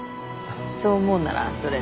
そう思うんならそれで。